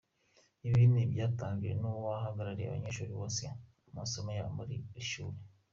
Ibi ni ibyatangajwe n’uwahagarariye abanyeshuri basoje amasomo yabo muri iri shuri.